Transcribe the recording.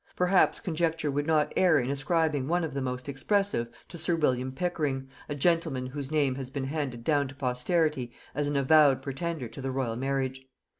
Perhaps conjecture would not err in ascribing one of the most expressive to sir William Pickering, a gentleman whose name has been handed down to posterity as an avowed pretender to the royal marriage.